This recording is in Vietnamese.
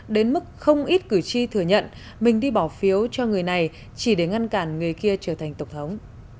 đến mức không ít cử tri thừa nhận mình đi bỏ phiếu cho người này chỉ để ngăn cản người kia trở thành tổng thống